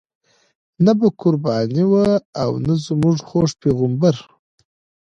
نه به قرباني وه او نه زموږ خوږ پیغمبر.